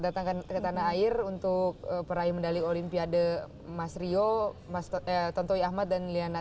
datangkan ke tanah air untuk peraih medali olimpiade mas rio mas tontowi ahmad dan liana